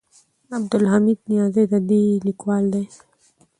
عبدالحمید نیازی د دې لیکوال دی.